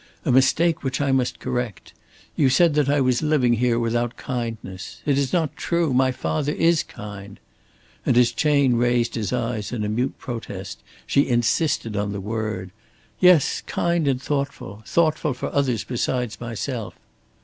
"A mistake which I must correct. You said that I was living here without kindness. It is not true. My father is kind!" And as Chayne raised his eyes in a mute protest, she insisted on the word. "Yes, kind and thoughtful thoughtful for others besides myself."